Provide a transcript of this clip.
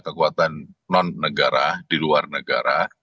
kekuatan non negara di luar negara